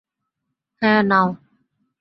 হ্যাঁ, নাও।